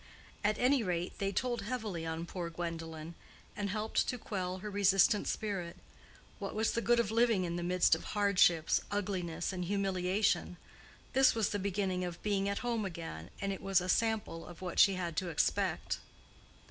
At any rate they told heavily on poor Gwendolen, and helped to quell her resistant spirit. What was the good of living in the midst of hardships, ugliness, and humiliation? This was the beginning of being at home again, and it was a sample of what she had to expect.